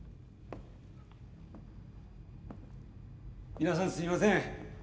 皆さんすいません。